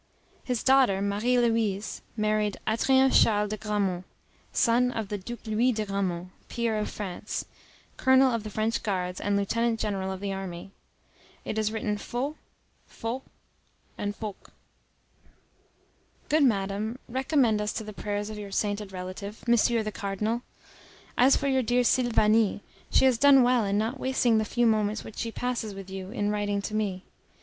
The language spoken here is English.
His daughter, Marie Louise, married Adrien Charles de Gramont, son of the Duke Louis de Gramont, peer of France, colonel of the French guards, and lieutenant general of the army. It is written Faux, Fauq, and Faoucq. Good Madame, recommend us to the prayers of your sainted relative, Monsieur the Cardinal. As for your dear Sylvanie, she has done well in not wasting the few moments which she passes with you in writing to me.